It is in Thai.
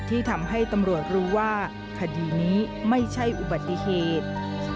ที่ทำให้ตำรวจรู้ว่าคดีนี้ไม่ใช่อุบัติเหตุ